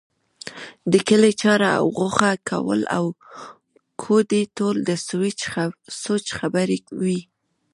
د کلي چاړه او غوښه کول او کوډې ټول د سوچ خبرې وې.